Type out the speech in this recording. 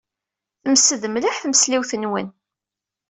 Temsed mliḥ tmesliwt-nwent.